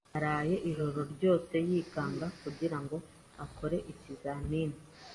Yaraye ijoro ryose yikanga kugira ngo akore ikizamini.